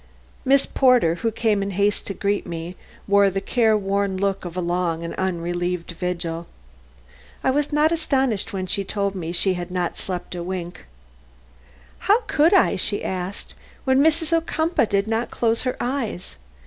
Miss Porter, who came in haste to greet me, wore the careworn look of a long and unrelieved vigil. I was not astonished when she told me that she had not slept a wink. "How could I," she asked, "when Mrs. Ocumpaugh did not close her eyes?